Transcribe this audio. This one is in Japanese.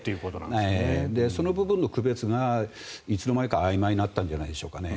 その部分の区別がいつの間にかあいまいになったんじゃないですかね。